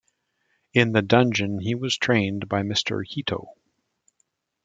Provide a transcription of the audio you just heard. In the Dungeon, he was trained by Mr. Hito.